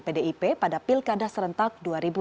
pdip pada pilkada serentak dua ribu dua puluh